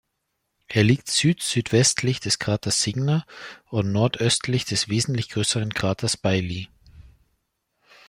Er liegt süd-südwestlich des Kraters Segner und nordöstlich des wesentlich größeren Kraters Bailly.